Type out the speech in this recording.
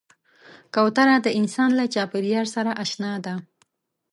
کوتره د انسان له چاپېریال سره اشنا ده.